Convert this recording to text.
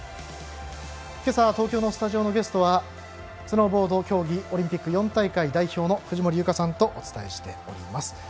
今朝は東京のスタジオのゲストはスノーボード競技オリンピック４大会代表の藤森由香さんとお伝えしています。